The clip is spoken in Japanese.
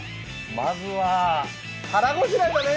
まずははらごしらえだね！